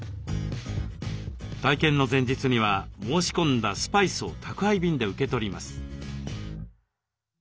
体験の前日には申し込んだスパイスを宅配便で受け取ります。